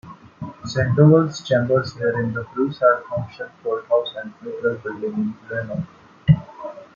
Sandoval's chambers were in the Bruce R. Thompson Courthouse and Federal Building in Reno.